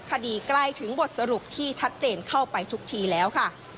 คดีใกล้ถึงบทสรุปที่ชัดเจนเข้าไปทุกทีแล้วค่ะ